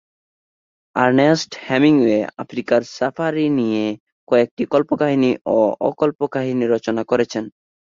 Ernst Hemingway আফ্রিকার safari নিয়ে কয়েকটি কল্পকাহিনি ও অ-কল্পকাহিনি রচনা করেছেন।